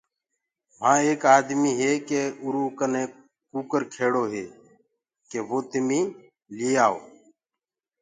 وهآن ايڪ آدمي هي ڪي اُرو ڪني ڪٚڪَر کيڙو هي ڪي تمي لِيآئو۔